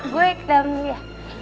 gue ke dalam dulu ya